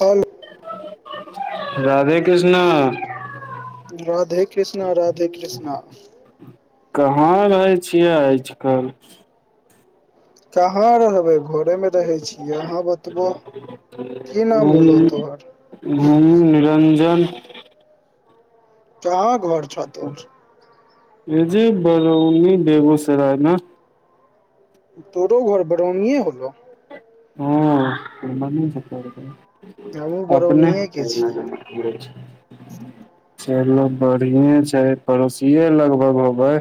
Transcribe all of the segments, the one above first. Hello Radhe Krishna Radhe Krishna, Radhe Krishna कहां रहैय छियै आज कल? कहा रहबै? घरे मे रहे छियै, आहा बतबो की नाम होलो हम तोहर? हम निरंजन कहा घर छौ तोहर एजे बरौनी बेगूसरायमे। तोरो घर बरनिये होलो? ह हमहूँ [unintelligible] अपने बरौनिये के छियै ओम्हरे छै। चलु बढ़िए छैय, पड़ोसिये लगभग होबै।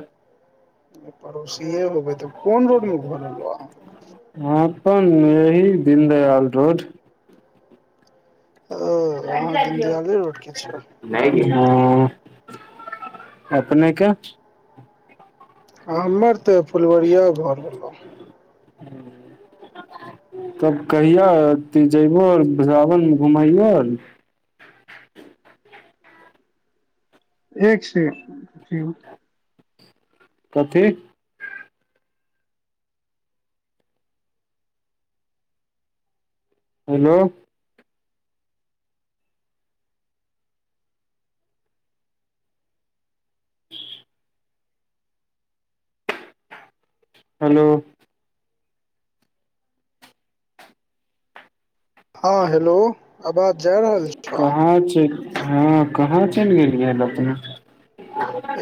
पड़ोसीे होबै तऽ कोन रोड मे घर हौ तोहर? अपन एहि दीनदयाल रोड। ओ लाइट अहाँ काइट दियौ? दीनदयाले रोड के छौ नैय न गे। अ अपनेक? हमर तऽ फुलवरिया घर भेलहु। तब कहिया तू जयबो सावणमे घुमायालो? एक छैय कथी? हेलो ऽ ऽ हेलो ऽ ऽ हां हेलो अबाज जा रहल? छौ कहां चेल, हां कहा चलि गेलियै अपने?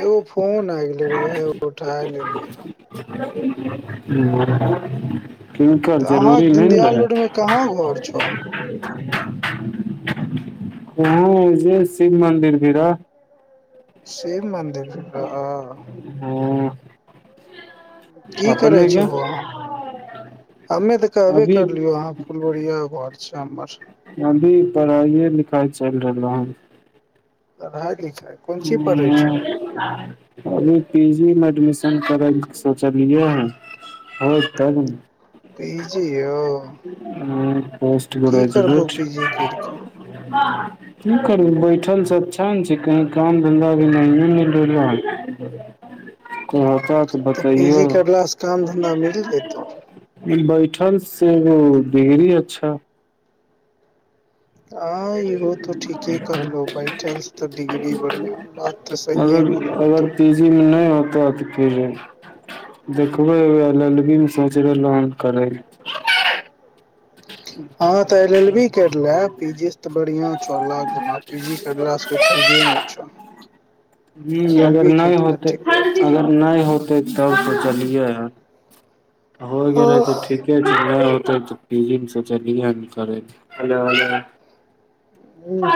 एगो फोन आ गेले रहैय, ओहे उठाय लेल रहो। किनकर जरूरी नै न रहैय? कहा घर छौ? हां एजे शिव मन्दिर भीरा। शिव मन्दिर भी रहे। हं। की करे अपने के छहो अहां, हमे तऽ कहबे अभी करलियो हां। फुलबरिया घर छै हमर। अभी पढ़ाइए लिखाइ चलि रहलै हन। पढ़ाइ लिखाई, कोन चीज पढ़ै छहौ। अभी पी जी मे एडमिशन करैय लेल सोचलियै हन। होई तब पी ने। जी यौ हु की करबहो पोस्टग्रेजवेट। पी जी करि कऽ की करु बैठल से अच्छा न छै कहीं। काम धंधा भी नहिये मिलैये की कहब। तऽ पी जी करला से काम धन्धा मिल जेतै। बैठल से डिग्री अच्छा। हा इहो तऽ ठीके कहलहुं बैठल से तऽ डिग्री बढ़िया, वाह। तऽ सहिए बोललो तो। जिम नै होतऽ तऽ फेर। देखबैय लेल एल एल बी से जे लाउंच करैये। [inaudible] त बढ़िया छ लाख गुना, पीजी करला से फायदे नहि छ। हूँ अगर नहि होतै ठीक रहतौ अगर नहि होतै, तब सोचलियै हें। होय गेलै तऽ ह ठीके छै नहि होतै तऽ। पीजी मे सोचलिय हन करै के, हेलो हेलो।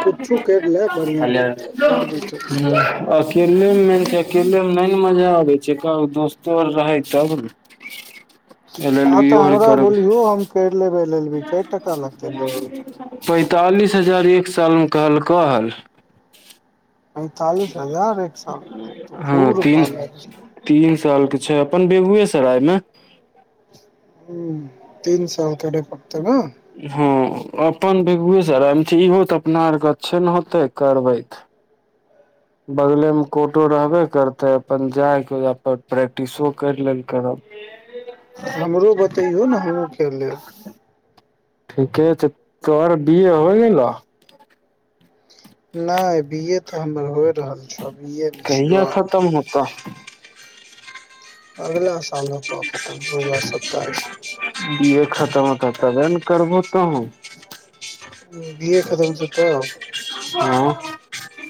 कुछो करि ले बढ़िआँ हेलो रहतौ घर बैठल हूँ अस। अकेलेमे मेन छै अकेलेमे नहि ने मजा आबै छै कहु दोस्तो आर रहै तब न। [inaudible] आ तऽ हमरा बोलियो हम कैर लेबे एल एल बी, कै टका लगते अय लेल। पैंतालिस हजार एक सालमे कहलकऽ हेल। पैंतालिस हजार एक साल त हँ खूब तीन रूपया लै छै। तीन साल के छै अपन बेगुएसराय मे। हूँ तीन साल करै पड़तै न। हँ अपन बेगुएसरायमे छै, इहो तऽ अपना आरके अच्छे ने होतै करबै तऽ। बगलेमे कोटो रहबे करतै अपन जायके ओहां पर प्रैक्टिसो करि लेल करब। [inaudible] हमरो बतैयौ न हमहूँ कैर लेब। ठीके छै तोहर बी ए होइ गेलऽ। नहि बी ए तऽ हमर होइ रहल छ, बी ए मे छियौ अभी। तऽ। अगिला साल होतो आब खतम, दू हजार सत्ताइस मे। बी ए खतम होतऽ तबे ने करबो तोहु। बीए खतम हेतै तब। हँ।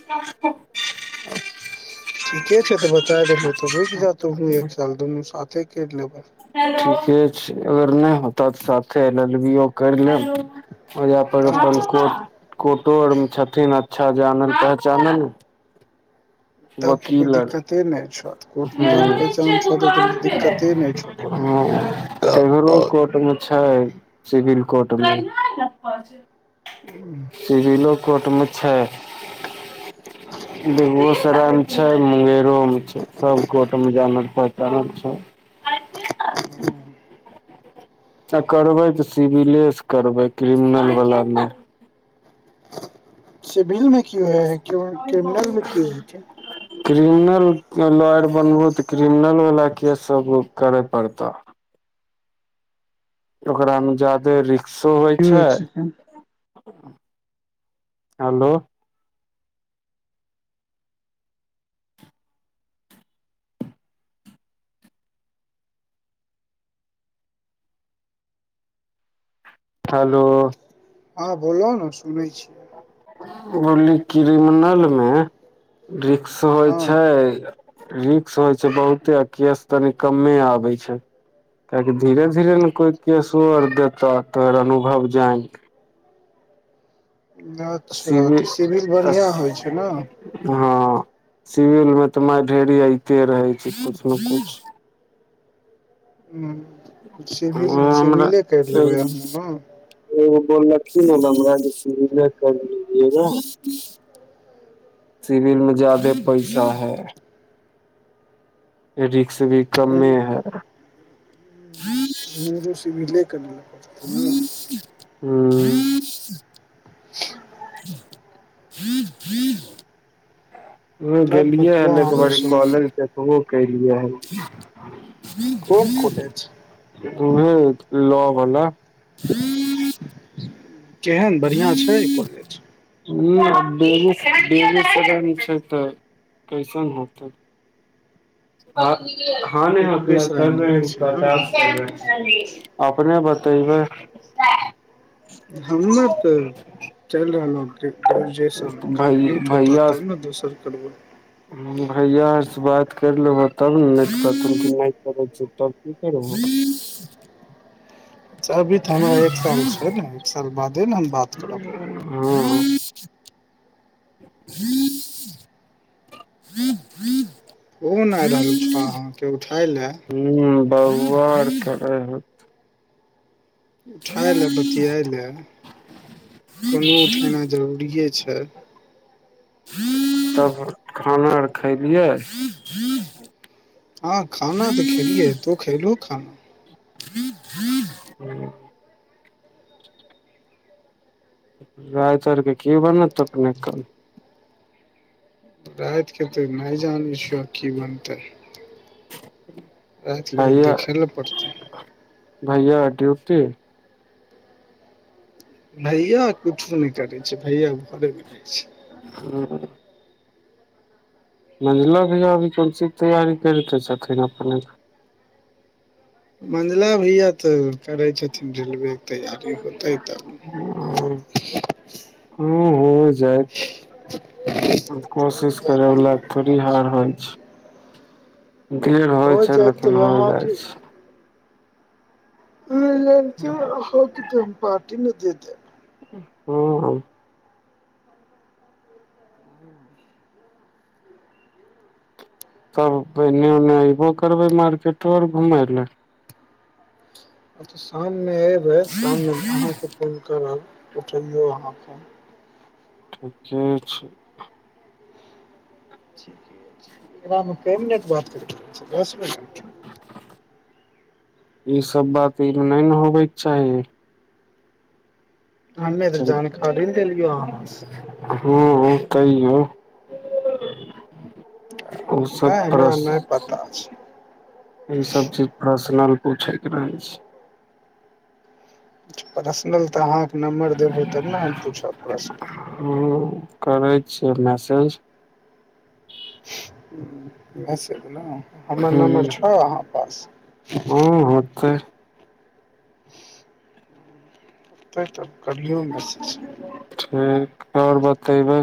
[inaudible] ठीके छै तऽ बताय देलहु तऽ रुक जा तुहू एक साल दुनू साथे कैर लेबै। ठीके छै अगर नहि होत तऽ साथे एल एल बी ओ करि लेब। ओहां पर हँ अपन तऽ कोट कोटो आर मे छथिन अच्छा जानल पहचानल। तब तऽ कोय दिक्कते नै छा। हुं, दिक्कते नहि छौ कोनो हुं तेहरो कोर्ट मे छै, सिविल कोर्ट मे। सिविलो कोर्ट मे छै। बेगुओसराय मे छै, मुंगेरो मे छै। सब कोर्ट मे जानल पहचानल छै। आ करबै तऽ सिविले से करबै, क्रिमनल वला नै। सिविल मे कि होय हय, किम क्रिमनल मे की होय छै। क्रिमनल के लॉयर बनबू तऽ क्रिमनल वला केस सब करा पड़तऽ। ओकरा मे जादे रिक्शो होय यौ छै। एक सेकेंड हलो। हलो। हां बोलऽ ना सुनै छी। बोली क्रिमनल मे रिक्श होय हँ छै। रिक्स होय छै बहुते आ केश तनि कमे आबै छै। काएकि धीरे-धीरे ने कोई केसो आर देतऽ तोहर अनुभव जाएन के। अच्छा तऽ सिविल बढ़ियाँ होय छै ना। हां सिविल मे तऽ मार ढेरी ऐते रहै छै कुछ नऽ कुछ। हुं सिभिल मे सिभिले कैर लेबै हमरा हमु ना। एगो बोललखिन हय बबुआ जे सिविले कर लीजिएगा। सिविल मे जादे पैसा हय। रिक्श भी ने कमे हय। हमरो सिभिले कर लिया पड़ते ना। हुं। [inaudible] उ तब गेलियै बतबऽ हन एक आरो बारी सब कॉलेज देखबो केलियै हन। कोन कॉलेज उहे लॉ बला। केहेन बढ़ियाँ छै कॉलेज। उ ना बेगू बेगूसराय मे छै तऽ कैसन होतै। [unintelligible] बेगूएसराय नियर छै ने अपने बतैबै। हमर त चैल रहलौ ग्रे ग्रेजुएशन भै कम्प्लीट होता, तब ना दोसर करबा। हुं भैया आर से बात कैर लेबा, तब ना नै त कहथुन कि नै करै छै। तब की करभो। अभी त हमरा एक साल छै ने, एक साल बादे ने हम बात करब। हां। [inaudible] फोन आय रहल छा अहाँ के उठाय ला। हुं बौअवा आर करै हो उठाए लाय बतियाय लाए, फोनो उठेनाय जरूरिये छै। तब खाना आर खैलियै। [inaudible] हां खाना तऽ खेलियै तु खैलु खाना। राति औरके की बनत अपने क? राति के तऽ नहि जानै छियो की बनतै? राति कोनो भैया देखय लए पड़तै। भैया डियुटी? भैया किछो नहि करै छै, भैया घरे पर रहै छै। हूँ आ मैझला भैयाअभी अभी कोन चीज तैयारी करिते छथिन अपने क? मझला भैया त करय छथिन रेलवे के तैयारी होतै त न हूँ ह [unintelligible] होयत जा [unintelligible] जायत कोशिश तऽ करय बला के बढ़िआँ थोड़ी छै हार होय छय। देर हो होय छय जायत लेकिन तऽ होइ जाइ अहाँके छय। [unintelligible] होतय पार्टी न देतय। हूँ ह तब पहिने ओने अयबो करबय मार्केटो और घुमय ले। शाम में ऐबय शाममें त अहाँके फोन करब उठबयो अहाँ फोन। ठीके छय। [unintelligible] ऐतबा में के मिनट बात केलकय दस मनिट [unintelligible] ई सब बात अय में नय न होबेके चाही। हमे त जानकारीये ने देेलियौ अहाँ स हुं-हुं तहि यो [unintelligible] औ सब नहि तरह हमरा स नहि पता छै इ सब चीज पर्सनल पूछे के नय छय। पर्सनल त अहां के नम्बर देबो तब न हम पुछब पर्सनल। हम्म करै छियै मैसेज। मैसेज न हमर हूँ नम्बर छ अहाँ पास [unintelligible] हूँ होतै। फिर तब कर लियौ मैसेज। ठीक आओर बतेबै?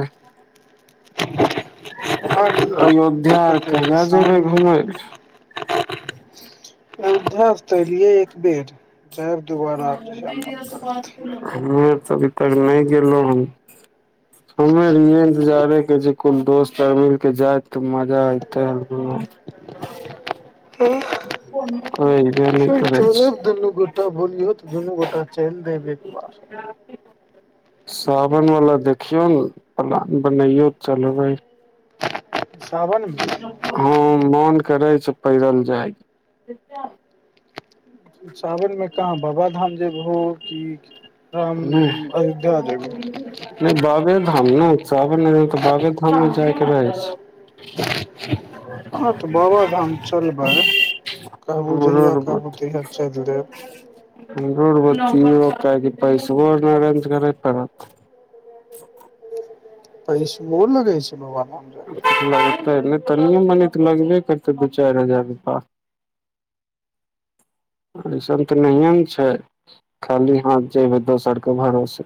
[unintelligible] अयोध्या कहिय जेबै घुमय लए? [unintelligible] यौधा से तऽ अयलियए एक बेर। जायब दुबाराब जहिा मोन करत। हमे आर तऽ अभी तक नहि गेलहुँ ह। हमे इ इन्तजारे के जे कोन दोस्त आर मिलके जाय तऽ मज मज़ा आई काइल त [unintelligible] नहि [unintelligible] करै चल छै दुनू गोटा बोलियौ दुनू गोटा चलदे बब [unintelligible] सााबन वाला देख देखियौ ने प्लान बनाैयो चलबै। सावनमे हँ मोन करै छै पैरल जाय। सावन मे कहाँ बाबा धाम जेब हो की? आाम नहि अयोध्या जेबेइ। नहि बाबे धाम ने सावने में तऽ बाबे धाममे जायके रहै छै। हँ तऽ बाबाधाम चलबै, कहबू हमरो जहिया आर कहबू तहिया चलि देब। हमरो गो तीन गो काहि पैसो आ नहि अरेंज करे पड़त। पैसबो लगे छैय बाबा [unintelligible] लगतै नय तनिए मनी तऽ लगबे करतै दू चारि हजार रुपा। अयसन तऽ नहिए ने छैय। खाली हाथ जेइबे दोसरके भरोसे।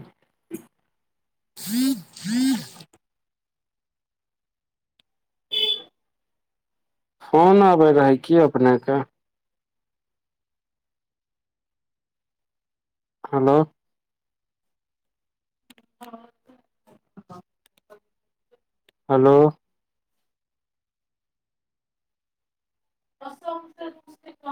फोन आबय रहय की अपनेके। हेलो। हँ। हेलो। [inaudible]